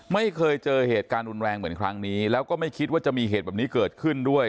ไม่เคยเจอเหตุการณ์รุนแรงเหมือนครั้งนี้แล้วก็ไม่คิดว่าจะมีเหตุแบบนี้เกิดขึ้นด้วย